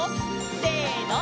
せの！